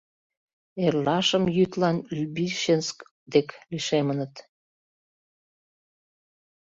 Эрлашым йӱдлан Лбищенск дек лишемыныт.